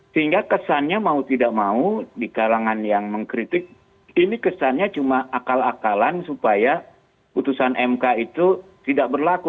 sehingga kesannya mau tidak mau di kalangan yang mengkritik ini kesannya cuma akal akalan supaya putusan mk itu tidak berlaku